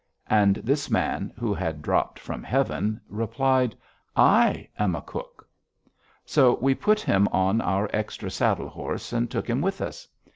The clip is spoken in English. And this man, who had dropped from heaven, replied: "I am a cook." So we put him on our extra saddle horse and took him with us.